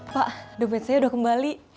pak dopet saya sudah kembali